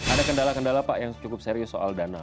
ada kendala kendala yang serius soal dana